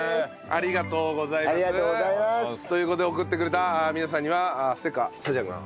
ありがとうございます！という事で送ってくれた皆さんには。